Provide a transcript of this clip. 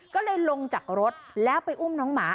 ก็เลยลงจากรถแล้วไปอุ้มน้องหมา